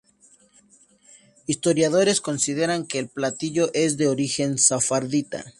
Historiadores consideran que el platillo es de origen sefardita.